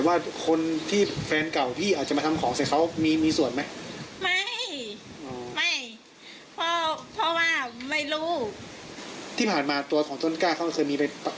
อันนี้เราก็ไม่รู้เหมือนกันอืม